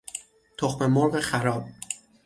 تخممرغ خراب